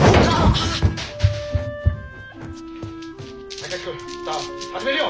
・武志君さあ始めるよ。